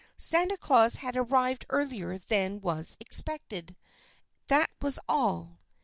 Santa Claus had arrived earlier than was expected, that was all.